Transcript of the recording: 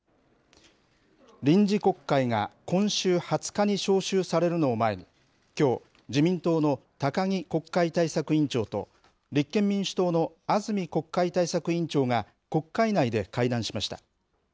臨時国会が今週２０日に召集されるのを前に、きょう、自民党の高木国会対策委員長と、立憲民主党の安住国会対策委員長が国会内で会談しました。